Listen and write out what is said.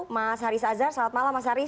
mas haris azhar selamat malam mas haris